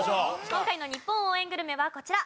今回の日本応援グルメはこちら。